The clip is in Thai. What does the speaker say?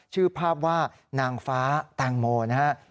ชื่อภาพว่านางฟ้าแตงโมนะครับ